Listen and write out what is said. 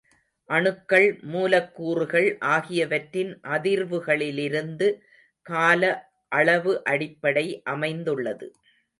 அணுக்கள், மூலக்கூறுகள் ஆகியவற்றின்அதிர்வுகளிலிருந்து காலஅளவு அடிப்படை அமைந்துள்ளது.